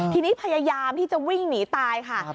ทีนี้พยายามที่จะวิ่งหนีตายค่ะ